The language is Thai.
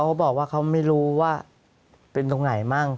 เขาบอกว่าเขาไม่รู้ว่าเป็นตรงไหนมั่ง